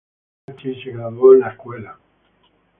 Lachey se graduó de la escuela "St.